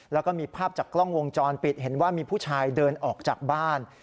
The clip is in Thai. แล้วก็มีภาพจากกล้องวงจรปิดเห็นว่ามีผู้ชายเดินออกจากบ้าน